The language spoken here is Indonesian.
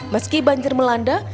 meski banjir melanda